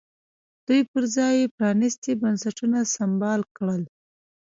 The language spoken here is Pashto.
دوی پر ځای یې پرانیستي بنسټونه سمبال کړل.